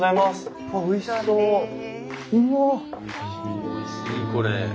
おいしいこれ。